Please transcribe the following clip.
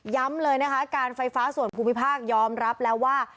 เลยนะคะการไฟฟ้าส่วนภูมิภาคยอมรับแล้วว่า